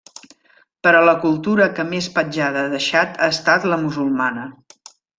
Però la cultura que més petjada ha deixat ha estat la musulmana.